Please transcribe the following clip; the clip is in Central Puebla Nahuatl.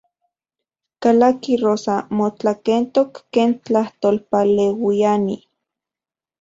Kalaki Rosa, motlakentok ken tlajtolpaleuiani.